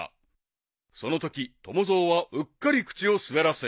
［そのとき友蔵はうっかり口を滑らせ］